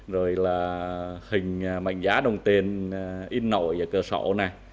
rồi là hình mạnh giá đồng tiền in nổi ở cửa sổ này